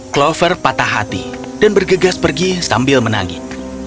clover patah hati dan bergegas pergi sambil menangis